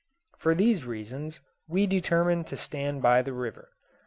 For these reasons we determined to stand by the river.